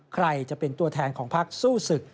ใครจะเป็นตัวแทนของพักสู้ศึก